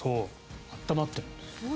温まっているんですね。